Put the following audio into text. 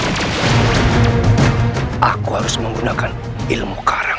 menang julius itu harus saya gunakan ilmu zoomi karang